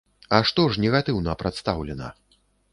А што ж негатыўна прадстаўлена?